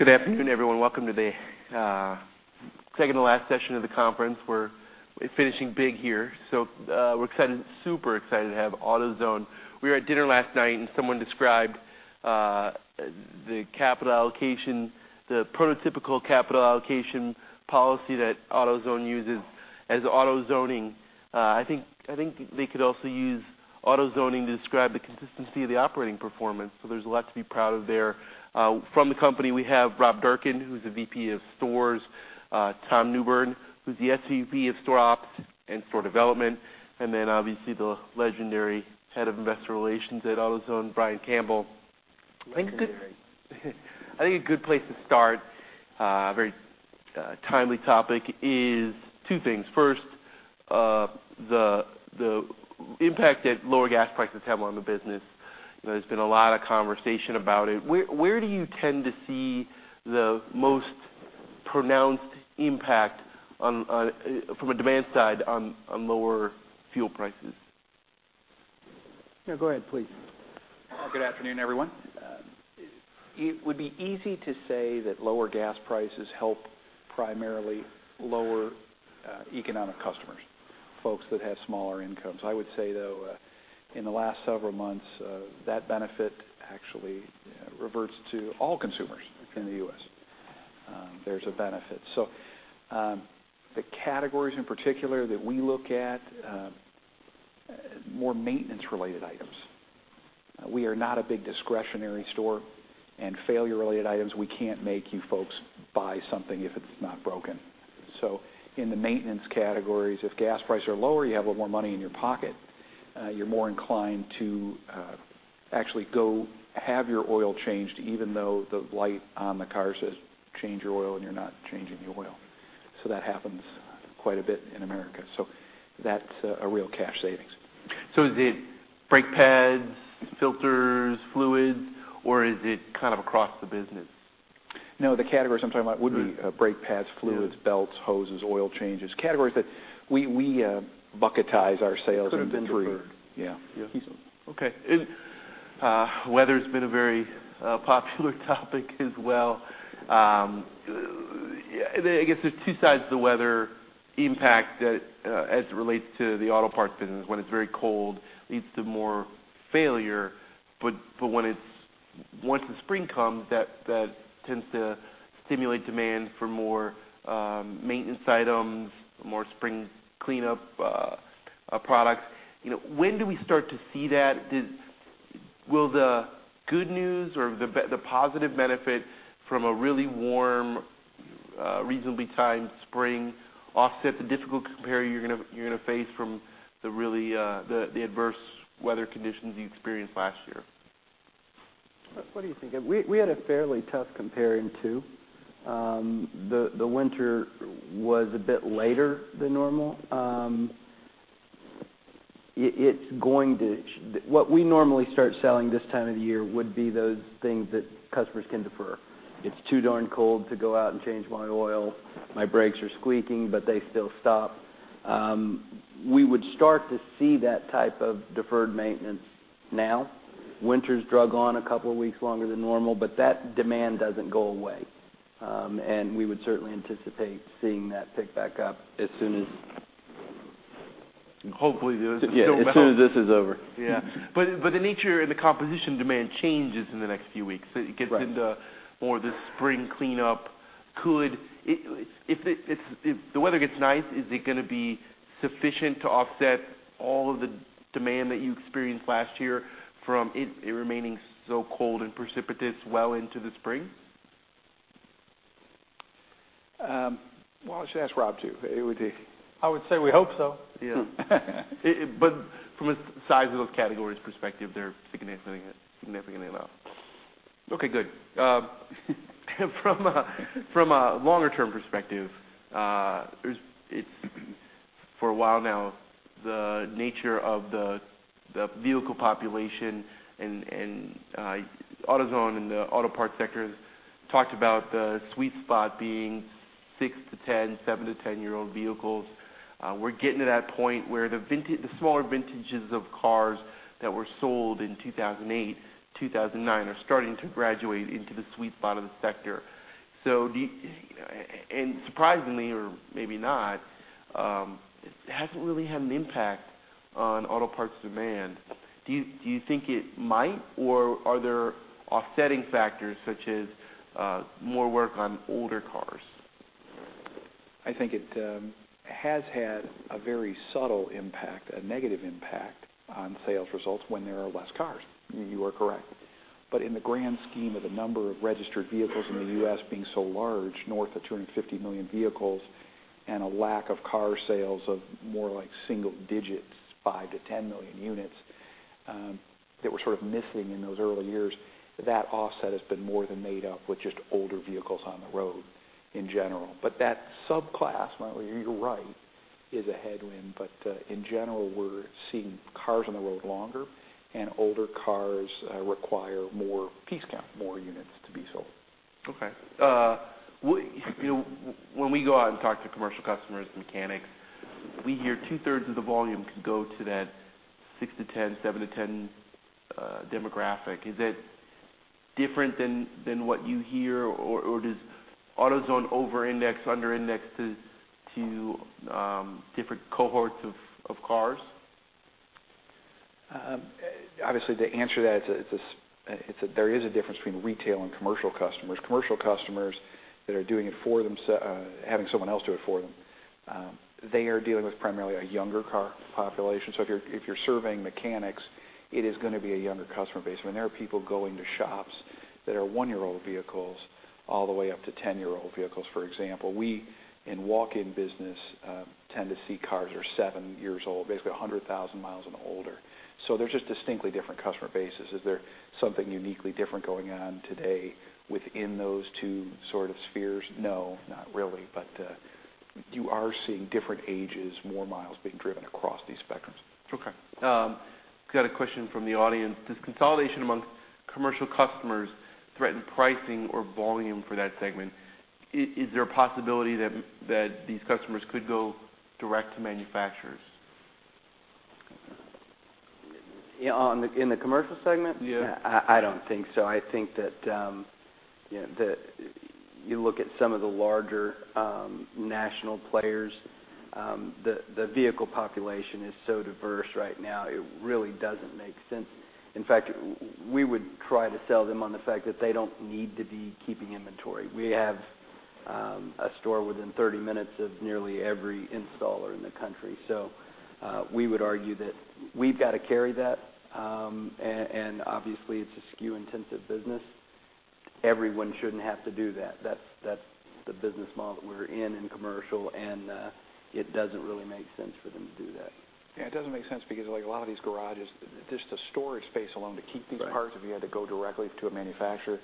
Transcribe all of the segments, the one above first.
Good afternoon, everyone. Welcome to the second to last session of the conference. We're finishing big here. We're super excited to have AutoZone. We were at dinner last night, and someone described the prototypical capital allocation policy that AutoZone uses as AutoZoning. I think they could also use AutoZoning to describe the consistency of the operating performance, there's a lot to be proud of there. From the company, we have Rob Durkin, who's the VP of stores, Thomas Newbern, who's the SVP of store ops and store development, and then obviously, the legendary head of Investor Relations at AutoZone, Brian Campbell. Legendary. I think a good place to start, a very timely topic is two things. First, the impact that lower gas prices have on the business. There's been a lot of conversation about it. Where do you tend to see the most pronounced impact from a demand side on lower fuel prices? Yeah, go ahead, please. Good afternoon, everyone. It would be easy to say that lower gas prices help primarily lower economic customers, folks that have smaller incomes. I would say, though, in the last several months, that benefit actually reverts to all consumers in the U.S. There's a benefit. The categories in particular that we look at, more maintenance-related items. We are not a big discretionary store, and failure-related items, we can't make you folks buy something if it's not broken. In the maintenance categories, if gas prices are lower, you have a little more money in your pocket. You're more inclined to actually go have your oil changed, even though the light on the car says, "Change your oil," and you're not changing your oil. That happens quite a bit in America. That's a real cash savings. Is it brake pads, filters, fluids, or is it kind of across the business? No, the categories I'm talking about would be brake pads, fluids, belts, hoses, oil changes. Categories that we bucketize our sales into three. Could've been deferred. Yeah. Okay. Weather's been a very popular topic as well. I guess there's two sides to the weather impact as it relates to the auto parts business. When it's very cold, it leads to more failure, but once the spring comes, that tends to stimulate demand for more maintenance items, more spring cleanup products. When do we start to see that? Will the good news or the positive benefit from a really warm, reasonably timed spring offset the difficult compare you're going to face from the adverse weather conditions you experienced last year? What do you think? We had a fairly tough comparing too. The winter was a bit later than normal. What we normally start selling this time of the year would be those things that customers can defer. It's too darn cold to go out and change my oil. My brakes are squeaking, but they still stop. We would start to see that type of deferred maintenance now. Winter's drug on a couple of weeks longer than normal, but that demand doesn't go away. We would certainly anticipate seeing that pick back up as soon as Hopefully, the snow melts. Yeah, as soon as this is over. Yeah. The nature and the composition demand changes in the next few weeks. Right. It gets into more the spring cleanup. If the weather gets nice, is it going to be sufficient to offset all of the demand that you experienced last year from it remaining so cold and precipitous well into the spring? Well, I should ask Rob too. I would say we hope so. Yeah. From a size of those categories perspective, they're significantly less. Okay, good. From a longer-term perspective, for a while now, the nature of the vehicle population and AutoZone and the auto parts sector talked about the sweet spot being 6-10, 7-10-year-old vehicles. We're getting to that point where the smaller vintages of cars that were sold in 2008, 2009 are starting to graduate into the sweet spot of the sector. Surprisingly, or maybe not, it hasn't really had an impact on auto parts demand. Do you think it might, or are there offsetting factors such as more work on older cars? I think it has had a very subtle impact, a negative impact on sales results when there are less cars. You are correct. In the grand scheme of the number of registered vehicles in the U.S. being so large, north of 250 million vehicles, and a lack of car sales of more like single digits, 5 million-10 million units, that were sort of missing in those early years, that offset has been more than made up with just older vehicles on the road in general. That subclass, you're right, is a headwind, but in general, we're seeing cars on the road longer, and older cars require more piece count, more units to be sold. Okay. When we go out and talk to commercial customers, mechanics. We hear two-thirds of the volume could go to that 6-10, 7-10 demographic. Is that different than what you hear, or does AutoZone over-index, under-index to different cohorts of cars? Obviously, to answer that, there is a difference between retail and commercial customers. Commercial customers that are having someone else do it for them, they are dealing with primarily a younger car population. If you're surveying mechanics, it is going to be a younger customer base. When there are people going to shops that are one-year-old vehicles all the way up to 10-year-old vehicles, for example, we, in walk-in business, tend to see cars that are seven years old, basically 100,000 miles and older. They're just distinctly different customer bases. Is there something uniquely different going on today within those two spheres? No, not really. You are seeing different ages, more miles being driven across these spectrums. Okay. Got a question from the audience. Does consolidation amongst commercial customers threaten pricing or volume for that segment? Is there a possibility that these customers could go direct to manufacturers? In the commercial segment? Yeah. I don't think so. I think that you look at some of the larger national players, the vehicle population is so diverse right now, it really doesn't make sense. In fact, we would try to sell them on the fact that they don't need to be keeping inventory. We have a store within 30 minutes of nearly every installer in the country. We would argue that we've got to carry that, and obviously, it's a SKU-intensive business. Everyone shouldn't have to do that. That's the business model that we're in commercial, and it doesn't really make sense for them to do that. Yeah, it doesn't make sense because a lot of these garages, just the storage space alone to keep these parts. Right if you had to go directly to a manufacturer,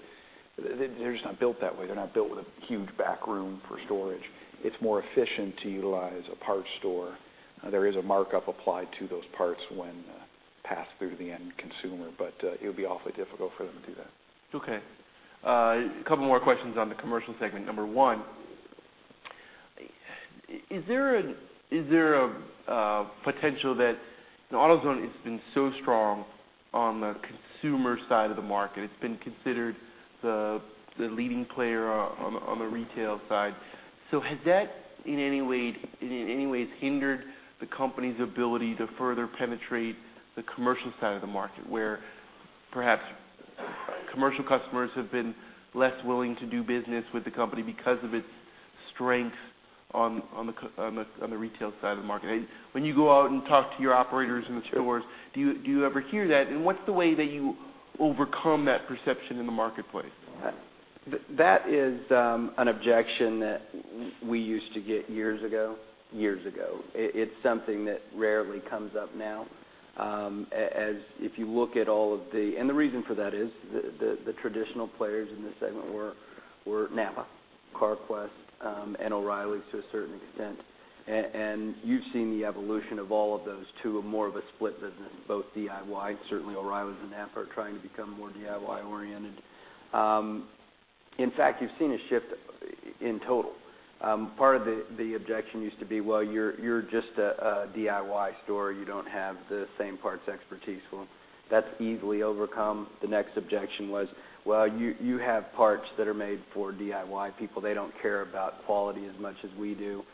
they're just not built that way. They're not built with a huge back room for storage. It's more efficient to utilize a parts store. There is a markup applied to those parts when passed through to the end consumer, but it would be awfully difficult for them to do that. Okay. A couple more questions on the commercial segment. Number one, AutoZone has been so strong on the consumer side of the market. It's been considered the leading player on the retail side. Has that, in any way, hindered the company's ability to further penetrate the commercial side of the market, where perhaps commercial customers have been less willing to do business with the company because of its strength on the retail side of the market? When you go out and talk to your operators in the stores, do you ever hear that, and what's the way that you overcome that perception in the marketplace? That is an objection that we used to get years ago. It's something that rarely comes up now. The reason for that is the traditional players in this segment were NAPA, Carquest, and O'Reilly's to a certain extent. You've seen the evolution of all of those to a more of a split business, both DIY. Certainly, O'Reilly's and NAPA are trying to become more DIY-oriented. In fact, you've seen a shift in total. Part of the objection used to be, "Well, you're just a DIY store. You don't have the same parts expertise." Well, that's easily overcome. The next objection was, "Well, you have parts that are made for DIY people. They don't care about quality as much as we do."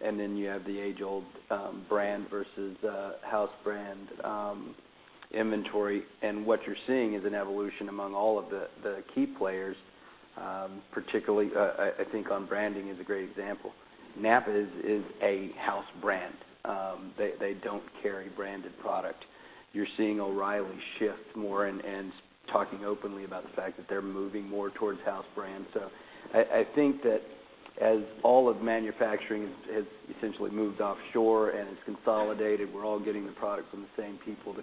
Then you have the age-old brand versus house brand inventory. What you're seeing is an evolution among all of the key players, particularly, I think, on branding is a great example. NAPA is a house brand. They don't carry branded product. You're seeing O'Reilly shift more and talking openly about the fact that they're moving more towards house brands. I think that as all of manufacturing has essentially moved offshore and is consolidated, we're all getting the product from the same people. The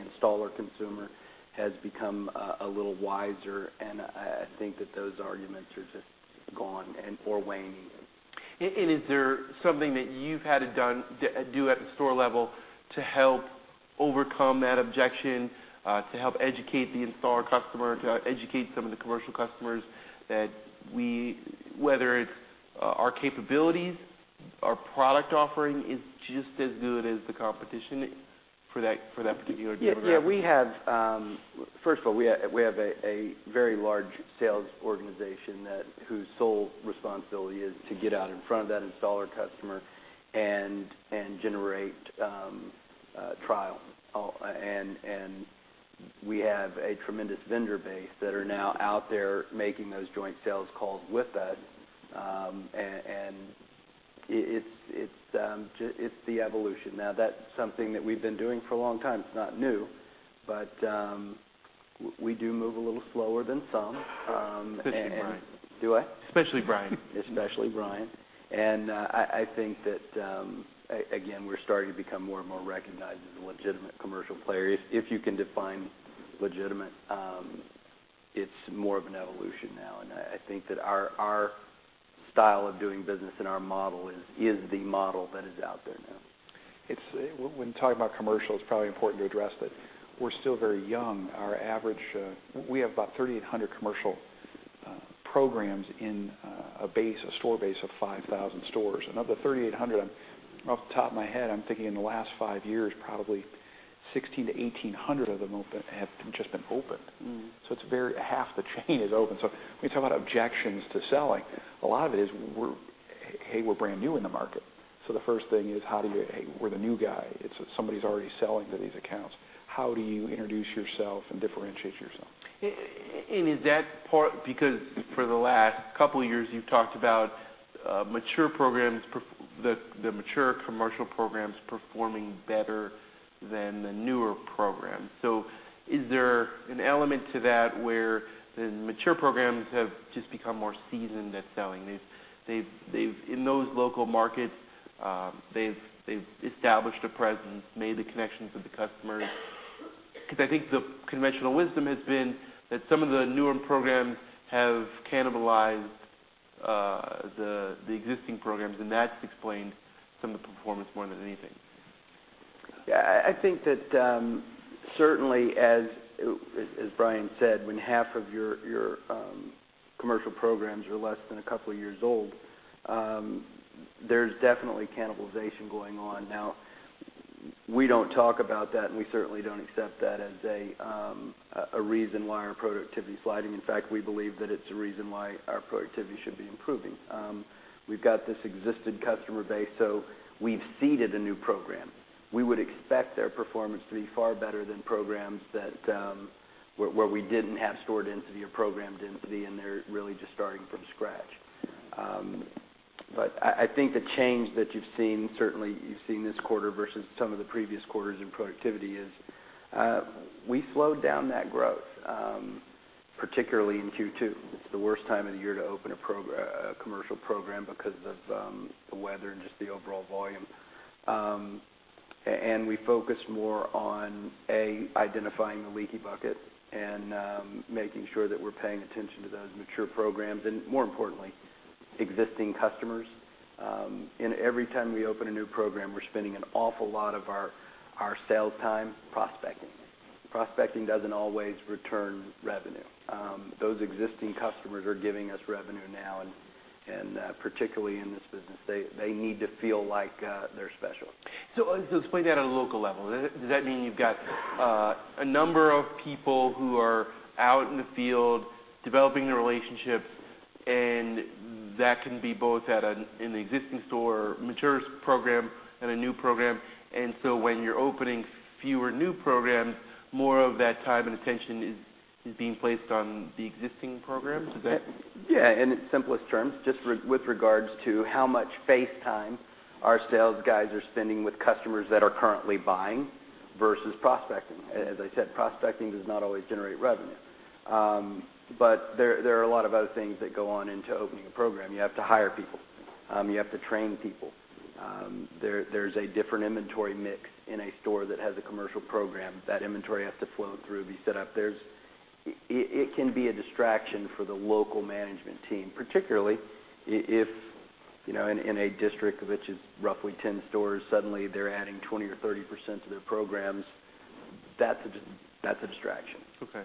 installer consumer has become a little wiser, and I think that those arguments are just gone or waning. Is there something that you've had to do at the store level to help overcome that objection, to help educate the installer customer, to educate some of the commercial customers that whether it's our capabilities, our product offering is just as good as the competition for that particular demographic? Yeah. First of all, we have a very large sales organization whose sole responsibility is to get out in front of that installer customer and generate trial. We have a tremendous vendor base that are now out there making those joint sales calls with us, and it's the evolution. That's something that we've been doing for a long time. It's not new, but we do move a little slower than some. Especially Brian. Do I? Especially Brian. Especially Brian. I think that, again, we're starting to become more and more recognized as a legitimate commercial player, if you can define legitimate. It's more of an evolution now, and I think that our style of doing business and our model is the model that is out there now. When talking about commercial, it's probably important to address that we're still very young. We have about 3,800 commercial programs in a store base of 5,000 stores. Of the 3,800, off the top of my head, I'm thinking in the last five years, probably 1,600-1,800 of them have just been opened. Half the chain is open. When you talk about objections to selling, a lot of it is, "Hey, we're brand new in the market." The first thing is, "Hey, we're the new guy." Somebody's already selling to these accounts. How do you introduce yourself and differentiate yourself? Is that part because for the last couple of years you've talked about the mature commercial programs performing better than the newer programs. Is there an element to that where the mature programs have just become more seasoned at selling? In those local markets, they've established a presence, made the connections with the customers. I think the conventional wisdom has been that some of the newer programs have cannibalized the existing programs, and that's explained some of the performance more than anything. Yeah. I think that certainly, as Brian said, when half of your commercial programs are less than a couple of years old, there's definitely cannibalization going on. We don't talk about that, and we certainly don't accept that as a reason why our productivity is sliding. In fact, we believe that it's a reason why our productivity should be improving. We've got this existent customer base, so we've seeded a new program. We would expect their performance to be far better than programs where we didn't have store density or program density, and they're really just starting from scratch. I think the change that you've seen, certainly you've seen this quarter versus some of the previous quarters in productivity, is we slowed down that growth, particularly in Q2. It's the worst time of the year to open a commercial program because of the weather and just the overall volume. We focus more on, A, identifying the leaky bucket and making sure that we're paying attention to those mature programs, and more importantly, existing customers. Every time we open a new program, we're spending an awful lot of our sales time prospecting. Prospecting doesn't always return revenue. Those existing customers are giving us revenue now, and particularly in this business, they need to feel like they're special. Explain that on a local level. Does that mean you've got a number of people who are out in the field developing the relationships, and that can be both in the existing store, mature program and a new program, and when you're opening fewer new programs, more of that time and attention is being placed on the existing programs? Is that? Yeah, in its simplest terms, just with regards to how much face time our sales guys are spending with customers that are currently buying versus prospecting. As I said, prospecting does not always generate revenue. There are a lot of other things that go on into opening a program. You have to hire people. You have to train people. There's a different inventory mix in a store that has a commercial program. That inventory has to flow through, be set up. It can be a distraction for the local management team, particularly if in a district which is roughly 10 stores, suddenly they're adding 20% or 30% to their programs. That's a distraction. Okay.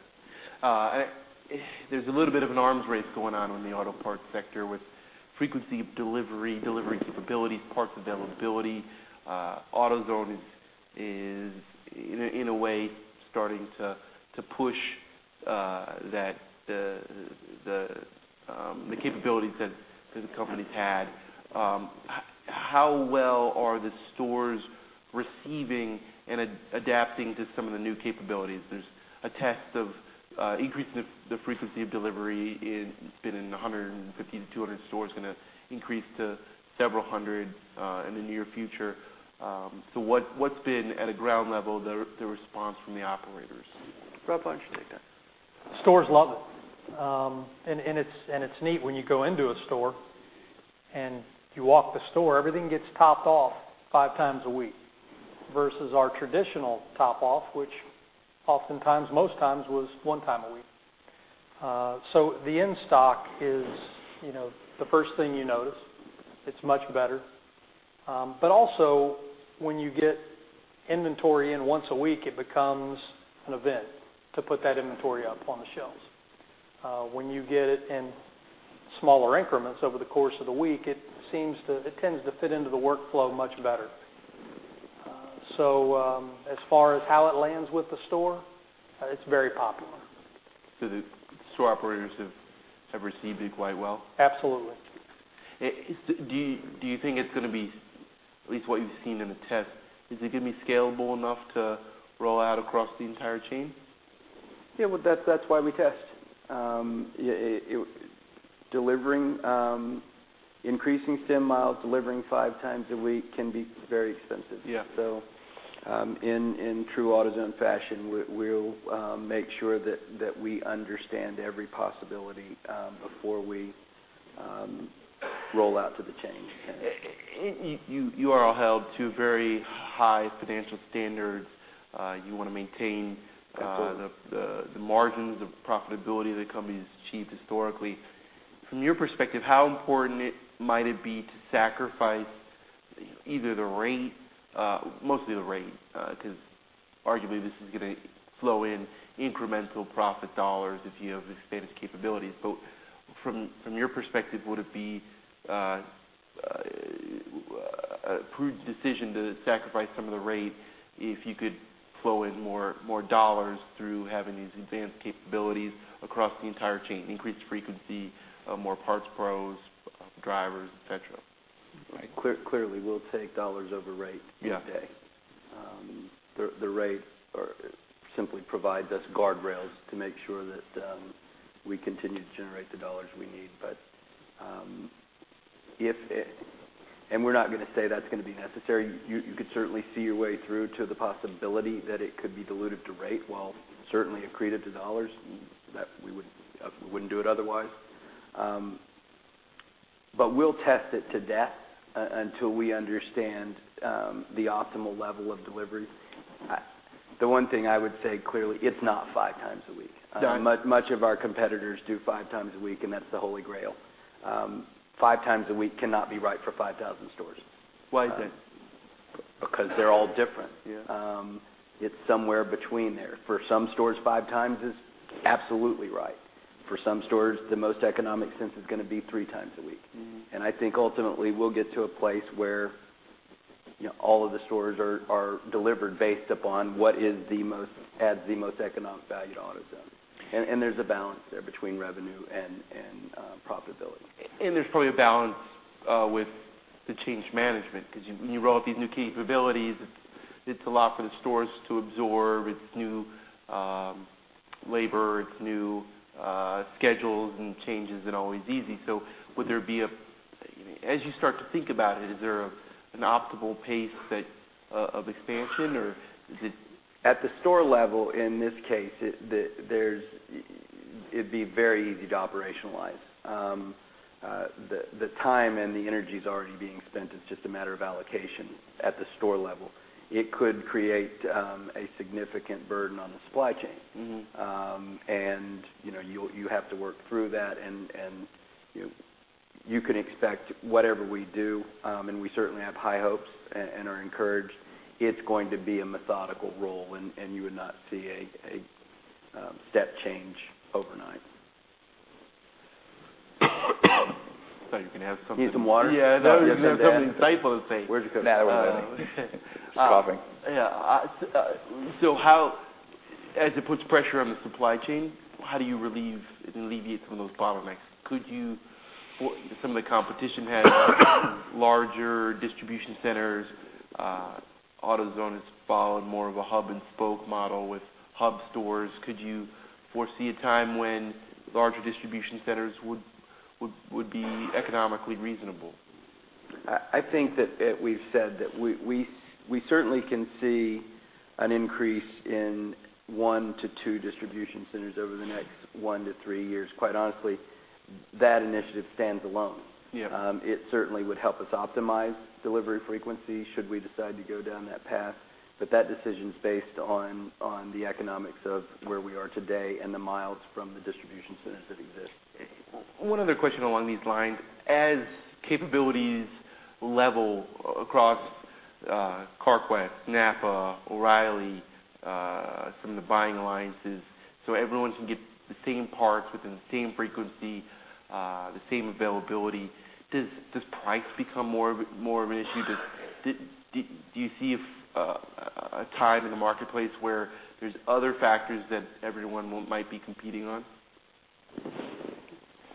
There's a little bit of an arms race going on in the auto parts sector with frequency of delivery capabilities, parts availability. AutoZone is, in a way, starting to push the capabilities that the company's had. How well are the stores receiving and adapting to some of the new capabilities? There's a test of increasing the frequency of delivery. It's been in 150 to 200 stores, going to increase to several hundred in the near future. What's been, at a ground level, the response from the operators? Rob, why don't you take that? Stores love it. It's neat when you go into a store and you walk the store, everything gets topped off five times a week versus our traditional top off, which oftentimes, most times, was one time a week. The in-stock is the first thing you notice. It's much better. Also when you get inventory in once a week, it becomes an event to put that inventory up on the shelves. When you get it in smaller increments over the course of the week, it tends to fit into the workflow much better. As far as how it lands with the store, it's very popular. The store operators have received it quite well? Absolutely. Do you think it's going to be, at least what you've seen in the test, is it going to be scalable enough to roll out across the entire chain? Yeah. Well, that's why we test. Increasing stem miles, delivering five times a week can be very expensive. Yeah. In true AutoZone fashion, we'll make sure that we understand every possibility before we roll out to the chain. You are all held to very high financial standards. You want to maintain. Absolutely the margins, the profitability the company's achieved historically. From your perspective, how important might it be to sacrifice either the rate, mostly the rate, because arguably this is going to flow in incremental profit dollars if you have these standard capabilities. From your perspective, would it be a prudent decision to sacrifice some of the rate if you could flow in more dollars through having these advanced capabilities across the entire chain, increased frequency, more parts pros, drivers, et cetera? Right. Clearly, we'll take dollars over rate any day. Yeah. The rate simply provides us guardrails to make sure that we continue to generate the dollars we need. We're not going to say that's going to be necessary. You could certainly see your way through to the possibility that it could be dilutive to rate, while certainly accretive to dollars. We wouldn't do it otherwise. We'll test it to death until we understand the optimal level of delivery. The one thing I would say, clearly, it's not five times a week. Done. Many of our competitors do five times a week, and that's the Holy Grail. Five times a week cannot be right for 5,000 stores. Why is that? They're all different. Yeah. It's somewhere between there. For some stores, five times is absolutely right. For some stores, the most economic sense is going to be three times a week. I think ultimately, we'll get to a place where all of the stores are delivered based upon what adds the most economic value to AutoZone. There's a balance there between revenue and profitability. There's probably a balance with the change management, because when you roll out these new capabilities, it's a lot for the stores to absorb. It's new labor, it's new schedules and changes, and always easy. As you start to think about it, is there an optimal pace of expansion, or is it? At the store level, in this case, it'd be very easy to operationalize. The time and the energy is already being spent. It's just a matter of allocation at the store level. It could create a significant burden on the supply chain. You have to work through that, and you can expect whatever we do, and we certainly have high hopes and are encouraged it's going to be a methodical roll and you would not see a step change overnight. Thought you were going to have something. Need some water? Yeah. No. Yes, ma'am. I was going to say something insightful to say. Where's it coming? No. Just coughing. Yeah. As it puts pressure on the supply chain, how do you relieve and alleviate some of those bottlenecks? Some of the competition has larger distribution centers. AutoZone has followed more of a hub-and-spoke model with hub stores. Could you foresee a time when larger distribution centers would be economically reasonable? I think that we've said that we certainly can see an increase in one to two distribution centers over the next one to three years. Quite honestly, that initiative stands alone. Yeah. It certainly would help us optimize delivery frequency should we decide to go down that path, that decision's based on the economics of where we are today and the miles from the distribution centers that exist. One other question along these lines. As capabilities level across Carquest, NAPA, O'Reilly, some of the buying alliances everyone can get the same parts within the same frequency, the same availability, does price become more of an issue? Do you see a time in the marketplace where there's other factors that everyone might be competing on?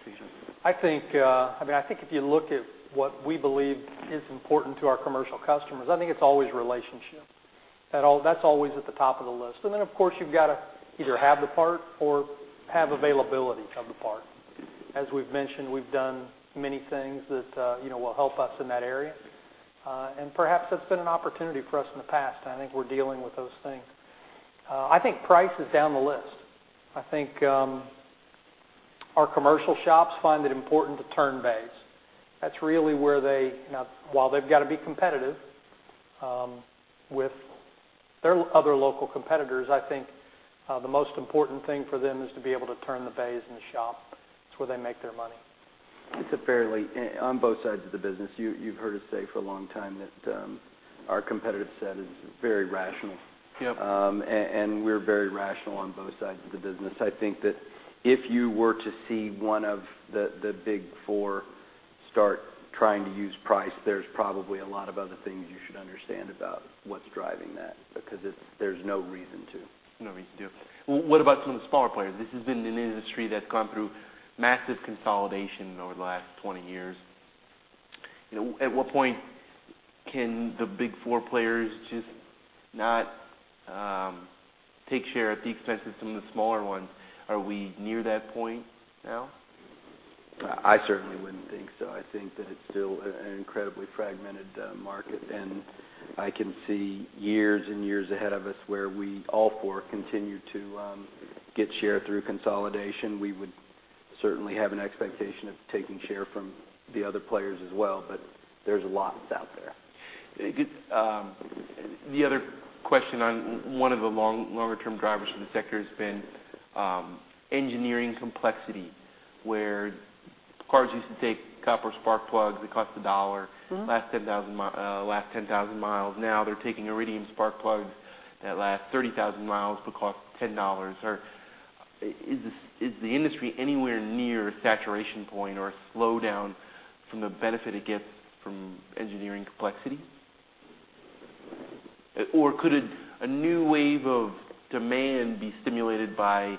Jason? I think if you look at what we believe is important to our commercial customers, I think it's always relationship. That's always at the top of the list. Then, of course, you've got to either have the part or have availability of the part. As we've mentioned, we've done many things that will help us in that area. Perhaps that's been an opportunity for us in the past, and I think we're dealing with those things. I think price is down the list. I think our commercial shops find it important to turn bays. While they've got to be competitive with their other local competitors, I think the most important thing for them is to be able to turn the bays in the shop. It's where they make their money. It's apparently on both sides of the business. You've heard us say for a long time that our competitive set is very rational. Yep. We're very rational on both sides of the business. I think that if you were to see one of the big four start trying to use price, there's probably a lot of other things you should understand about what's driving that, because there's no reason to. No reason to. What about some of the smaller players? This has been an industry that's gone through massive consolidation over the last 20 years. At what point can the big four players just not take share at the expense of some of the smaller ones? Are we near that point now? I certainly wouldn't think so. I think that it's still an incredibly fragmented market. I can see years and years ahead of us where we, all four, continue to get share through consolidation. We would certainly have an expectation of taking share from the other players as well. There's lots out there. The other question on one of the longer-term drivers for the sector has been engineering complexity, where cars used to take copper spark plugs that cost $1- last 10,000 miles. Now they're taking iridium spark plugs that last 30,000 miles but cost $10. Is the industry anywhere near saturation point or a slowdown from the benefit it gets from engineering complexity? Could a new wave of demand be stimulated by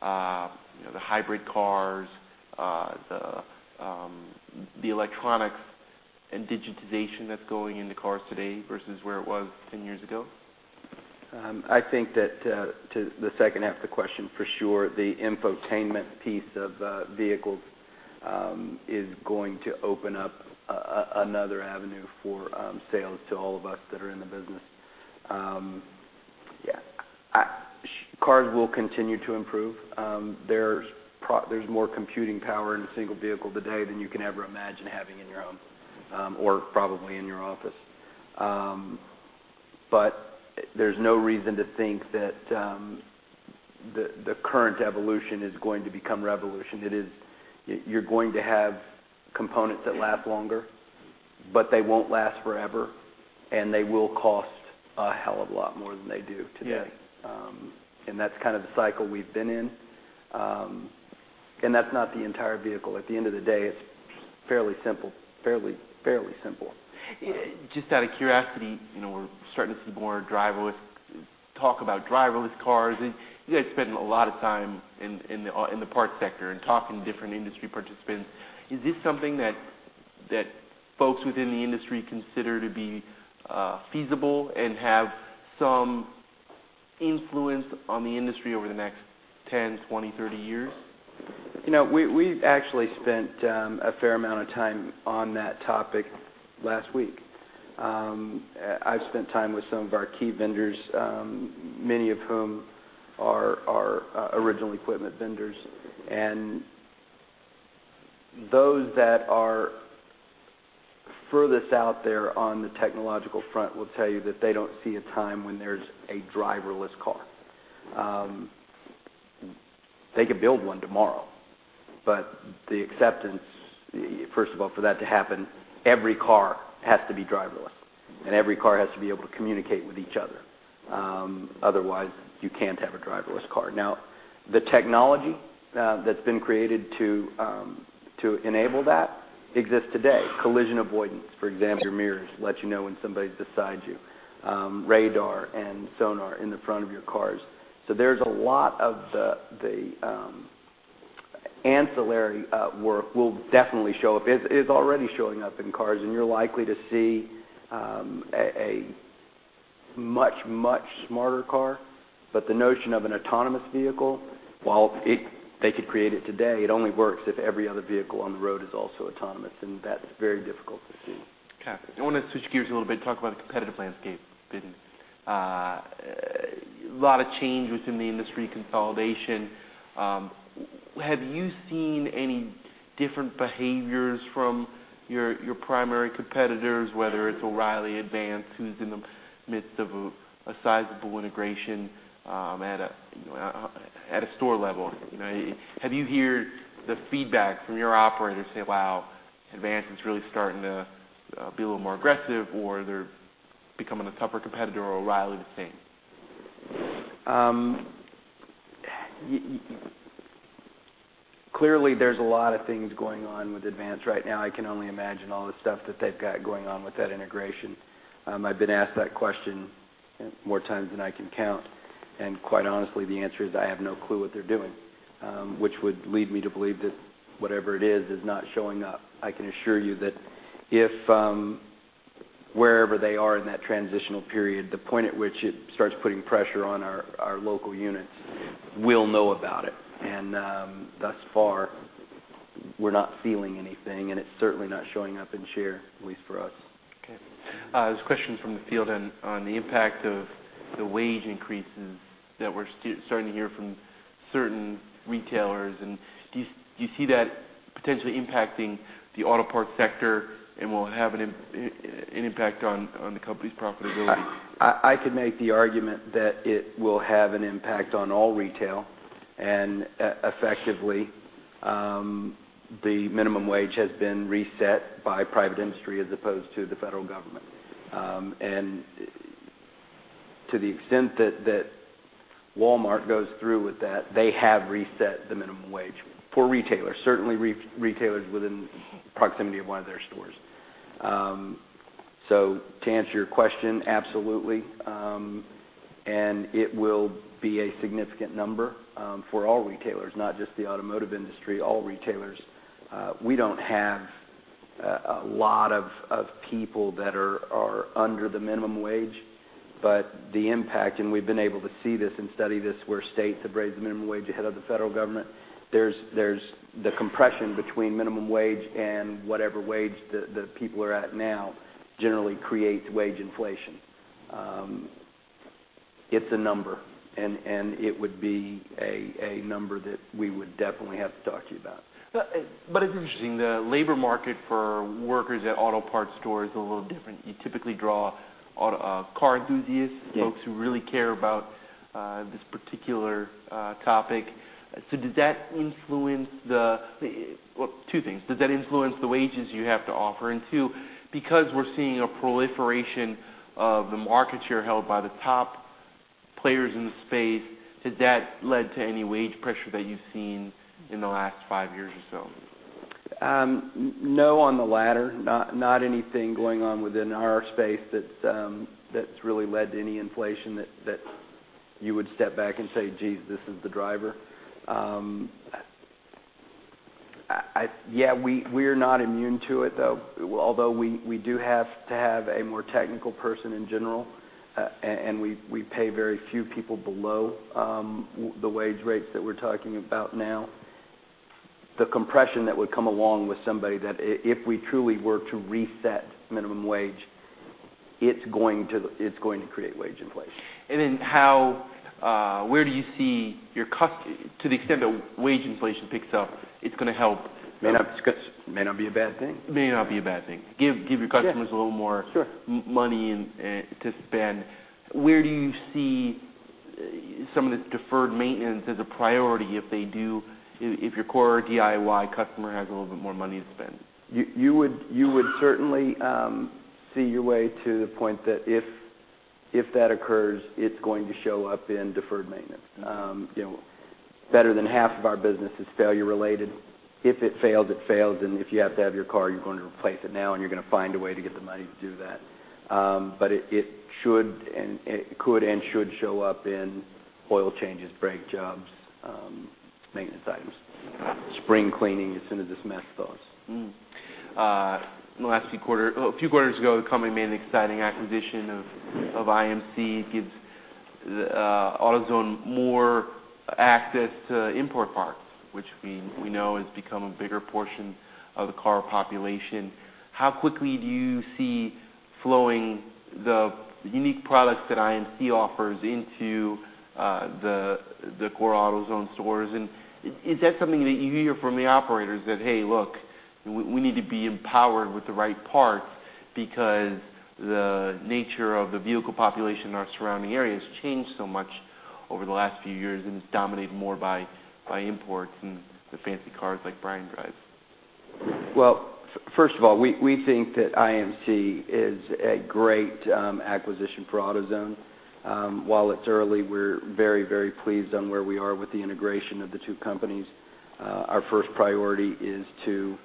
the hybrid cars, the electronics, and digitization that's going into cars today versus where it was ten years ago? I think that to the second half of the question, for sure, the infotainment piece of vehicles is going to open up another avenue for sales to all of us that are in the business. Yeah. Cars will continue to improve. There's more computing power in a single vehicle today than you can ever imagine having in your home or probably in your office. There's no reason to think that the current evolution is going to become revolution. You're going to have components that last longer, but they won't last forever, and they will cost a hell of a lot more than they do today. Yes. That's kind of the cycle we've been in. That's not the entire vehicle. At the end of the day, it's fairly simple. Just out of curiosity, we're starting to see more driverless talk about driverless cars, and you guys spend a lot of time in the parts sector and talking to different industry participants. Is this something that folks within the industry consider to be feasible and have some influence on the industry over the next 10, 20, 30 years? We've actually spent a fair amount of time on that topic last week. I've spent time with some of our key vendors, many of whom are our original equipment vendors. Those that are furthest out there on the technological front will tell you that they don't see a time when there's a driverless car. They could build one tomorrow, but the acceptance, first of all, for that to happen, every car has to be driverless, and every car has to be able to communicate with each other. Otherwise, you can't have a driverless car. The technology that's been created to enable that exists today. Collision avoidance, for example, your mirrors let you know when somebody's beside you, radar and sonar in the front of your cars. There's a lot of the ancillary work will definitely show up. Is already showing up in cars, and you're likely to see a much, much smarter car. The notion of an autonomous vehicle, while they could create it today, it only works if every other vehicle on the road is also autonomous, and that's very difficult to see. Okay. I want to switch gears a little bit and talk about the competitive landscape. Been a lot of change within the industry, consolidation. Have you seen any different behaviors from your primary competitors, whether it's O'Reilly, Advance, who's in the midst of a sizable integration at a store level? Have you heard the feedback from your operators say, "Wow, Advance is really starting to be a little more aggressive, or they're becoming a tougher competitor, or O'Reilly the same? Clearly, there's a lot of things going on with Advance right now. I can only imagine all the stuff that they've got going on with that integration. I've been asked that question more times than I can count, and quite honestly, the answer is I have no clue what they're doing, which would lead me to believe that whatever it is not showing up. I can assure you that if wherever they are in that transitional period, the point at which it starts putting pressure on our local units, we'll know about it. Thus far, we're not feeling anything, and it's certainly not showing up in share, at least for us. Okay. There's a question from the field on the impact of the wage increases that we're starting to hear from certain retailers. Do you see that potentially impacting the auto part sector, and will it have an impact on the company's profitability? I could make the argument that it will have an impact on all retail. Effectively, the minimum wage has been reset by private industry as opposed to the federal government. To the extent that Walmart goes through with that, they have reset the minimum wage for retailers, certainly retailers within proximity of one of their stores. To answer your question, absolutely. It will be a significant number for all retailers, not just the automotive industry, all retailers. We don't have a lot of people that are under the minimum wage, but the impact, and we've been able to see this and study this, where states have raised the minimum wage ahead of the federal government. There's the compression between minimum wage and whatever wage the people are at now generally creates wage inflation. It's a number, and it would be a number that we would definitely have to talk to you about. It's interesting, the labor market for workers at auto parts stores is a little different. You typically draw car enthusiasts. Yes folks who really care about this particular topic. Well, two things. Does that influence the wages you have to offer? Two, because we're seeing a proliferation of the market share held by the top players in the space, has that led to any wage pressure that you've seen in the last 5 years or so? No, on the latter, not anything going on within our space that's really led to any inflation that you would step back and say, "Geez, this is the driver." Yeah, we are not immune to it, though. Although we do have to have a more technical person in general, and we pay very few people below the wage rates that we're talking about now. The compression that would come along with somebody that if we truly were to reset minimum wage, it's going to create wage inflation. To the extent that wage inflation picks up, it's going to help. May not be a bad thing. May not be a bad thing. Give your customers. Yes A little more. Sure money to spend. Where do you see some of the deferred maintenance as a priority if your core DIY customer has a little bit more money to spend? You would certainly see your way to the point that if that occurs, it's going to show up in deferred maintenance. Better than half of our business is failure-related. If it fails, it fails, and if you have to have your car, you're going to replace it now, and you're going to find a way to get the money to do that. It could and should show up in oil changes, brake jobs, maintenance items, spring cleaning as soon as this mess goes. In the last few quarters, a few quarters ago, the company made an exciting acquisition of IMC. It gives AutoZone more access to import parts, which we know has become a bigger portion of the car population. How quickly do you see flowing the unique products that IMC offers into the core AutoZone stores, and is that something that you hear from the operators that, "Hey, look, we need to be empowered with the right parts because the nature of the vehicle population in our surrounding area has changed so much over the last few years and is dominated more by imports and the fancy cars like Brian drives. First of all, we think that IMC is a great acquisition for AutoZone. While it's early, we're very, very pleased on where we are with the integration of the two companies. Our first priority is to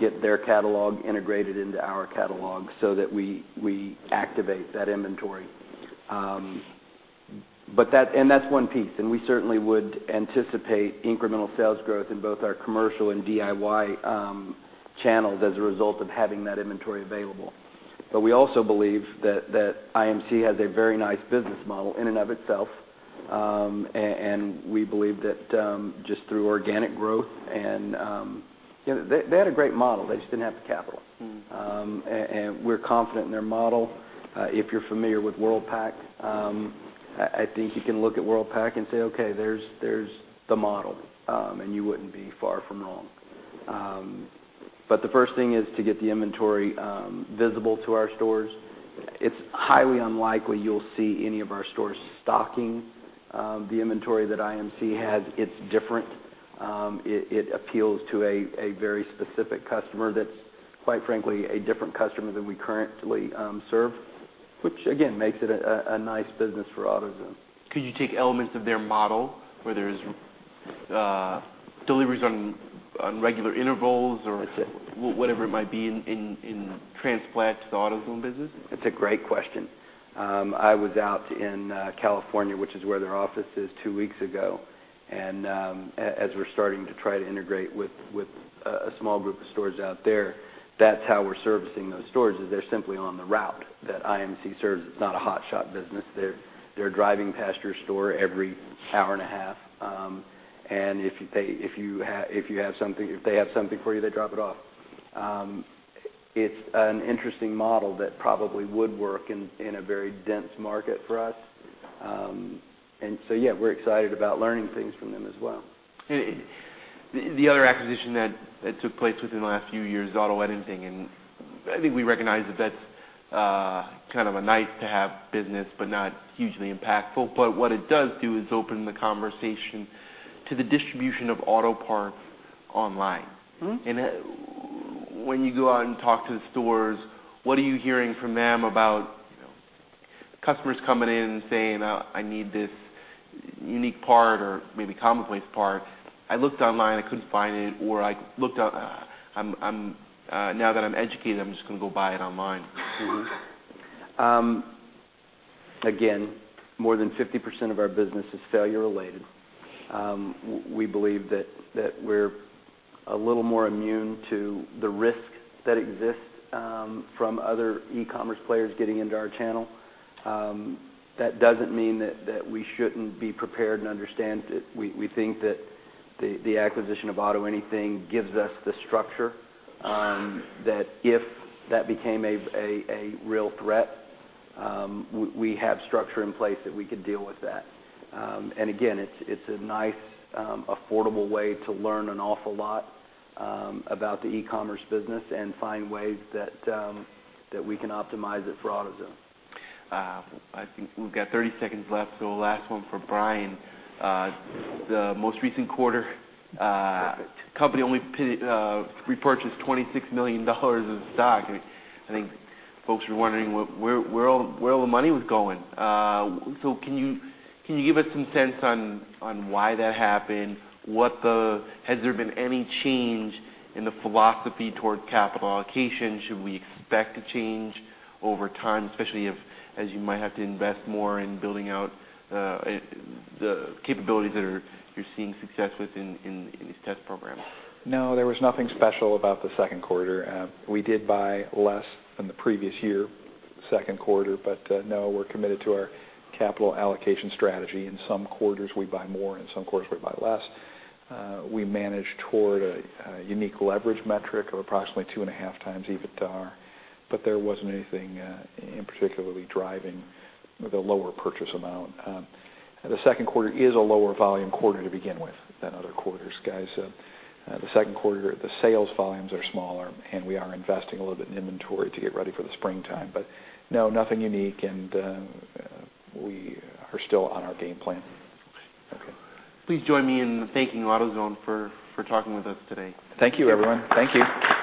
get their catalog integrated into our catalog so that we activate that inventory. That's one piece, and we certainly would anticipate incremental sales growth in both our commercial and DIY channels as a result of having that inventory available. We also believe that IMC has a very nice business model in and of itself, and we believe that just through organic growth. They had a great model, they just didn't have the capital. We're confident in their model. If you're familiar with Worldpac, I think you can look at Worldpac and say, "Okay, there's the model," and you wouldn't be far from wrong. The first thing is to get the inventory visible to our stores. It's highly unlikely you'll see any of our stores stocking the inventory that IMC has. It's different. It appeals to a very specific customer that's, quite frankly, a different customer than we currently serve, which again, makes it a nice business for AutoZone. Could you take elements of their model where there's deliveries on regular intervals or whatever it might be in transplant to the AutoZone business? It's a great question. I was out in California, which is where their office is, two weeks ago, as we're starting to try to integrate with a small group of stores out there, that's how we're servicing those stores, is they're simply on the route that IMC serves. It's not a hotshot business. They're driving past your store every hour and a half, and if they have something for you, they drop it off. It's an interesting model that probably would work in a very dense market for us. Yeah, we're excited about learning things from them as well. The other acquisition that took place within the last few years is AutoAnything, I think we recognize that that's kind of a nice-to-have business, but not hugely impactful. What it does do is open the conversation to the distribution of auto parts online. When you go out and talk to the stores, what are you hearing from them about customers coming in and saying, "I need this unique part or maybe commonplace part. I looked online, I couldn't find it," or, "Now that I'm educated, I'm just going to go buy it online. Again, more than 50% of our business is failure-related. We believe that we're a little more immune to the risk that exists from other e-commerce players getting into our channel. That doesn't mean that we shouldn't be prepared and understand that we think that the acquisition of AutoAnything gives us the structure that if that became a real threat, we have structure in place that we could deal with that. Again, it's a nice, affordable way to learn an awful lot about the e-commerce business and find ways that we can optimize it for AutoZone. I think we've got 30 seconds left, so last one for Brian. The most recent quarter, the company only repurchased $26 million of stock, and I think folks were wondering where all the money was going. Can you give us some sense on why that happened? Has there been any change in the philosophy toward capital allocation? Should we expect a change over time, especially as you might have to invest more in building out the capabilities that you're seeing success with in these test programs? No, there was nothing special about the second quarter. We did buy less than the previous year second quarter, but no, we're committed to our capital allocation strategy. In some quarters, we buy more, and some quarters, we buy less. We manage toward a unique leverage metric of approximately two and a half times EBITDA, but there wasn't anything in particular driving the lower purchase amount. The second quarter is a lower volume quarter to begin with than other quarters, guys. The second quarter, the sales volumes are smaller, and we are investing a little bit in inventory to get ready for the springtime. No, nothing unique, and we are still on our game plan. Okay. Please join me in thanking AutoZone for talking with us today. Thank you, everyone. Thank you.